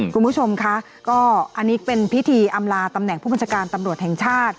คุณผู้ชมคะก็อันนี้เป็นพิธีอำลาตำแหน่งผู้บัญชาการตำรวจแห่งชาติ